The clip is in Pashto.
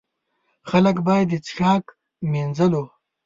خلک باید د څښاک، مینځلو.